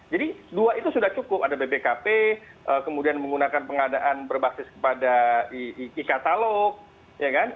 jadi dua itu sudah cukup ada bpkp kemudian menggunakan pengadaan berbasis kepada e katalog ya kan